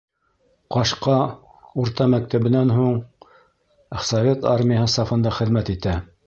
Ҡашҡа урта мәктәбенән һуң, Совет Армияһы сафында хеҙмәт итә.